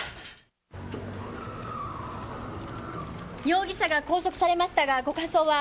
容疑者が拘束されましたがご感想は？